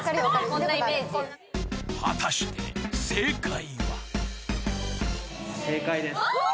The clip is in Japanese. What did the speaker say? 果たして正解は正解です。